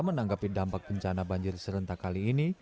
menanggapi dampak bencana banjir serentak kali ini